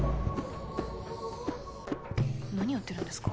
何やってるんですか？